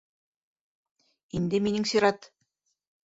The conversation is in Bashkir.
Инде минең сират.